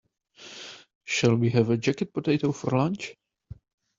Shall we have a jacket potato for lunch?